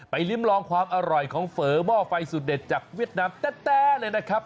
ลิ้มลองความอร่อยของเฝอหม้อไฟสุดเด็ดจากเวียดนามแต๊เลยนะครับ